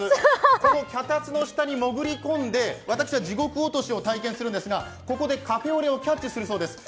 この脚立の下に潜り込んで私は地獄落としを体験するんですが、ここでカフェオレをキャッチするようです。